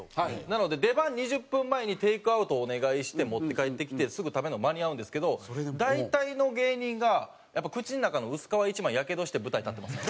なので出番２０分前にテイクアウトをお願いして持って帰ってきてすぐ食べるのは間に合うんですけど大体の芸人がやっぱ口の中の薄皮一枚やけどして舞台立ってます。